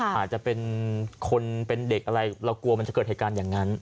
อาจจะเป็นคนเป็นเด็กอะไรเรากลัวมันจะเกิดเหตุการณ์อย่างนั้น